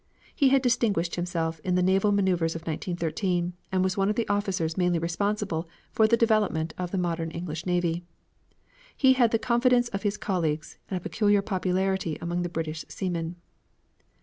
He had distinguished himself in the naval maneuvers of 1913, and was one of the officers mainly responsible for the development of the modern English navy. He had the confidence of his colleagues, and a peculiar popularity among the British seamen.